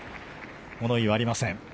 物言いはありません。